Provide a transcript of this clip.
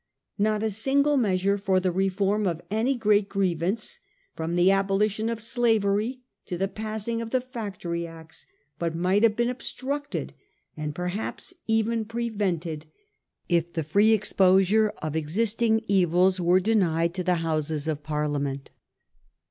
Not a single measure for the reform of any great griev ance, from the abolition of slavery to the passing of the Factory Acts, but might have been obstructed, and perhaps even prevented, if the free exposure of existing evils were denied to the Houses of Par liament.